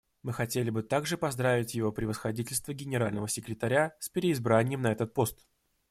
Мы хотели бы также поздравить Его Превосходительство Генерального секретаря с переизбранием на этот пост.